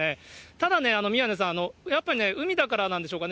ただね、宮根さん、やっぱね、海だからなんでしょうかね？